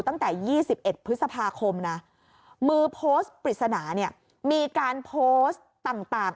ตั้งแต่๒๑พฤษภาคมนะมือโพสต์ปริศนาเนี่ยมีการโพสต์ต่าง